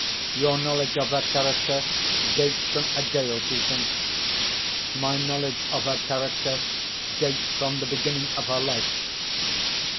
Your knowledge of her character dates from a day or two since. My knowledge of her character dates from the beginning of her life.